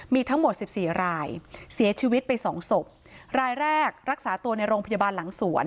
มีทั้งหมดสิบสี่รายเสียชีวิตไปสองศพรายแรกรักษาตัวในโรงพยาบาลหลังสวน